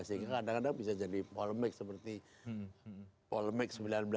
sehingga kadang kadang bisa jadi polemik seperti polemik seribu sembilan ratus sembilan puluh